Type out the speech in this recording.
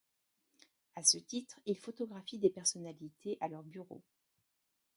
À ce titre, il photographie des personnalités à leurs bureaux.